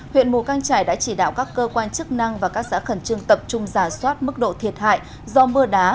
huyện mù căng trải đã chỉ đạo các cơ quan chức năng và các xã khẩn trương tập trung giả soát mức độ thiệt hại do mưa đá